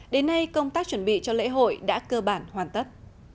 đến nay công tác chuẩn bị cho lễ hội đã cơ bản hoàn tất